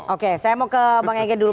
oke saya mau ke bang ege dulu